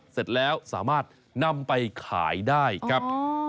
เสร็จแล้วสามารถนำไปขายได้ครับ